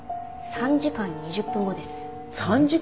３時間２０分後？